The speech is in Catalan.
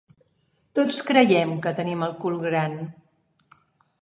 Tots creiem que tenim el cul gran.